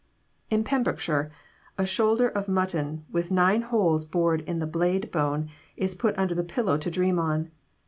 In Pembrokeshire a shoulder of mutton, with nine holes bored in the blade bone, is put under the pillow to dream on.